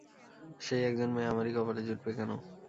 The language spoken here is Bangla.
সেই একজন মেয়ে আমারই কপালে জুটবে কেন?